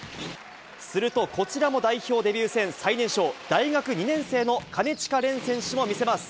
すると、こちらも代表デビュー戦、最年少、大学２年生の金近廉選手も見せます。